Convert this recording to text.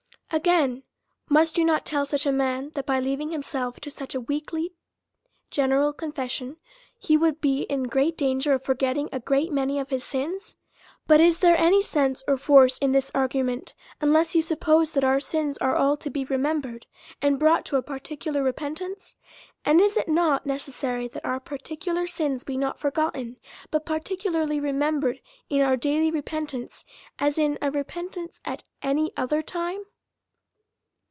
Again : Must you not tell such a man, that, by leaving himself to such a weekly, general confession, he would be in great danger of forgetting a great many of his sins? But is there any sense or force in this ar gument, unless you suppose that our sins are all to be remembered and brought to a particular repentance? And is it not as necessary that our particular sins be not forgotten, but particularly remembered in your daily, as in a repentance at any other time?